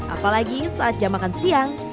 apalagi saat jam makan siang